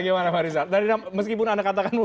gimana pak rizal meskipun anda katakan